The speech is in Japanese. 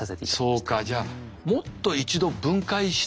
そうかじゃあもっと一度分解して。